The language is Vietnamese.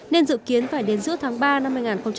nên dự kiến phải đến giữa tháng ba năm hai nghìn một mươi bảy